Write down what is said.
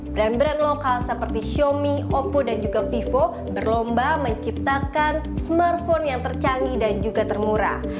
brand brand lokal seperti xiaomi oppo dan juga vivo berlomba menciptakan smartphone yang tercanggih dan juga termurah